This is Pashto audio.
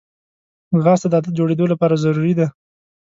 ځغاسته د عادت جوړېدو لپاره ضروري ده